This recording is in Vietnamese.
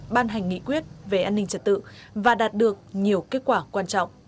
ban hành nghị quyết về an ninh trật tự và đạt được nhiều kết quả quan trọng